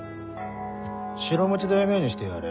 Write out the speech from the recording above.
城持ち大名にしてやれ。